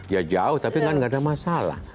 ya jauh tapi kan nggak ada masalah